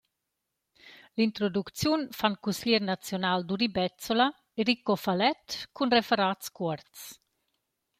L’introducziun fan cusglier naziunal, Duri Bezzola e Rico Falett cun referats cuorts.